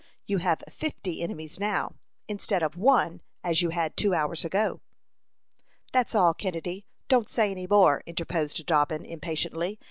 You have fifty enemies now, instead of one, as you had two hours ago." "That's all, Kennedy; don't say any more," interposed Dobbin, impatiently.